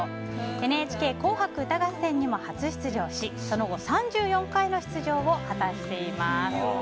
「ＮＨＫ紅白歌合戦」にも初出場しその後３４回の出場を果たしています。